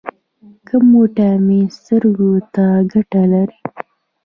کوم ویټامین سترګو ته ګټه لري؟